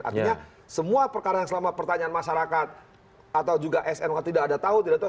artinya semua perkara yang selama pertanyaan masyarakat atau juga snk tidak ada tahu tidak tahu